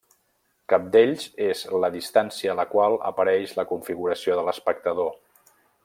Cap d'ells és la distància a la qual apareix la configuració de l'espectador.